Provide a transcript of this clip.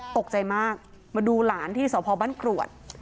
ตกใจมากมาดูหลานที่สพบ้านกรวด